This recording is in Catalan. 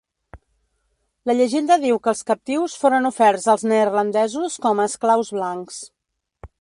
La llegenda diu que els captius foren oferts als neerlandesos com a esclaus blancs.